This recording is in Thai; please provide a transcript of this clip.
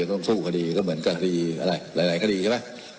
ต้องสู้คดีก็เหมือนกับคดีอะไรหลายคดีใช่ไหม